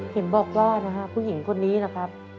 เห็นบอกว่านะฮะผู้หญิงคนนี้นะครับ